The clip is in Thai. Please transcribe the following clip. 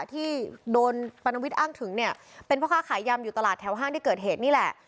ที่โดนปรณวิทย์อ้างถึงเนี่ยเป็นพ่อค้าขายยำอยู่ตลาดแถวห้างที่เกิดเหตุนี่แหละ